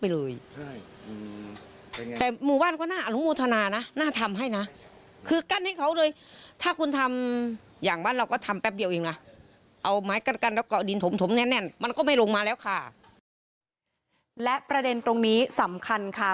และประเด็นตรงนี้สำคัญค่ะ